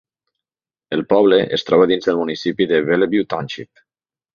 El poble es troba dins del municipi de Bellevue Township.